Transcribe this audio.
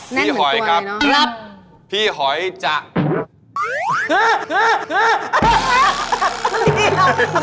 พี่หอยครับพี่หอยจัก